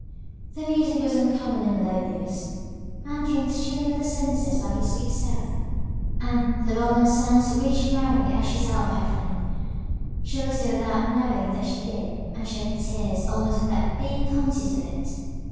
The music was uncommonly melodious, "And came stealing on the senses like the sweet south." The well known sounds reached Mary as she sat by her friend she listened without knowing that she did and shed tears almost without being conscious of it.